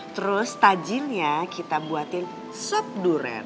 terus tajilnya kita buatin sup durian